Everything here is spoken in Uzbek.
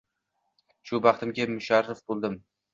Shu baxtiga musharraf boʻldim!